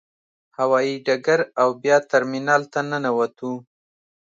هوايي ډګر او بیا ترمینال ته ننوتو.